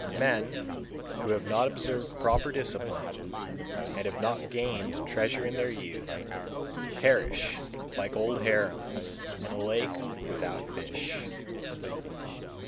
155. Men who have not observed proper discipline, and have not gained treasure in their youth, perish like old herons in a lake without fish.